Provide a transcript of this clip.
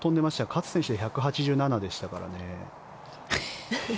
勝みなみ選手で１８７でしたからね。